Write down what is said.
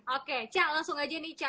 oke cak langsung aja nih cak